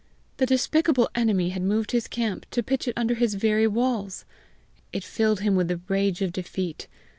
The despicable enemy had moved his camp, to pitch it under his very walls! It filled him with the rage of defeat.